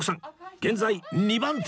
現在２番手